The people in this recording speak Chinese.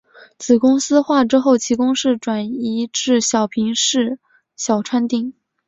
子公司化之后其工作室转移至小平市小川町。